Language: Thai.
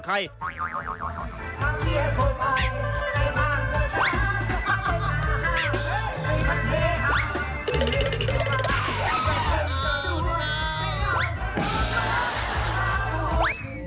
ซึ่งจัดขึ้นเมื่อวันอาทิตย์ที่ผ่านมา